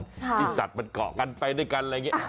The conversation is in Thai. การ์ตูนแอนิเมชั่นที่สัตว์มันเกาะกันไปด้วยกันอะไรอย่างเนี่ย